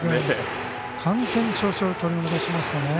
完全に調子を取り戻しましたね。